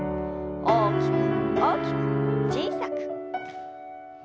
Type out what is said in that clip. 大きく大きく小さく。